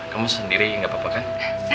kamu sendiri gak apa apa kan